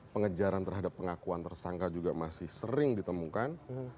pengejaran terhadap pengakuan tersangka juga masih sering ditemukan